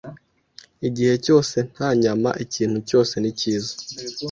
Igihe cyose nta nyama, ikintu cyose ni cyiza.